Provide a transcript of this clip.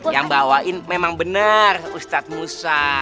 yang bawain memang benar ustadz musa